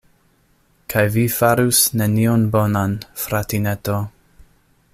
Kaj vi farus nenion bonan, fratineto.